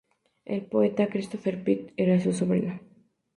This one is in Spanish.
El poeta Christopher Pitt era su sobrino.